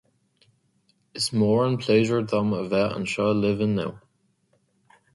Is mór an pléisiúr dom a bheith anseo libh inniu